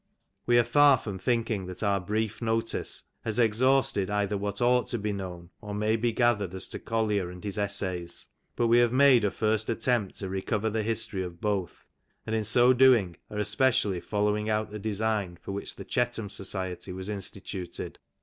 We are far from thinking that our brief notice has exhausted either what ought to be known or may be gathered as to Collier and his essays, but we have made a first attempt to recover the history of both, and in so doing are espe ciaUy following out the design for which the Chbtham Society was instituted.